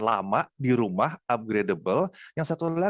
kalau ada voice killer yang ada dua duanya